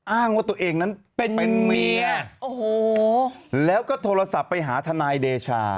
อ้างว่าตัวเองนั้นเป็นเมียโอ้โหแล้วก็โทรศัพท์ไปหาทนายเดชา